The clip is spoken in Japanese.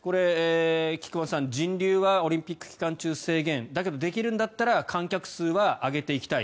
菊間さん、人流はオリンピック期間中制限だけど、できるんだったら観客数は上げていきたい。